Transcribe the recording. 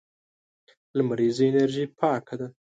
لمريزه انرژي پاکه ده.